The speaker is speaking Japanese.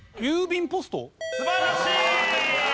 素晴らしい！